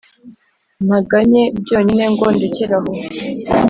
ntaganye byonyine ngo ndekere aho.